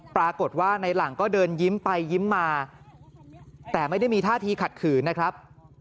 ปรากฏว่าในหลังก็เดินยิ้มไปยิ้มมาแต่ไม่ได้มีท่าทีขัดขืนนะครับ